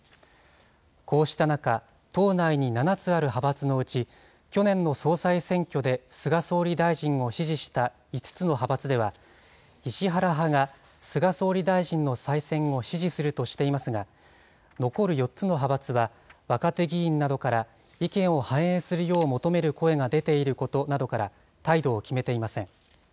こうした中、党内に７つある派閥のうち去年の総裁選挙で菅総理大臣を支持した５つの派閥では、石原派が菅総理大臣の再選を支持するとしていますが、残る４つの派閥は、若手議員などから意見を反映するよう求める声が出ていることなどから、態度を決めていません。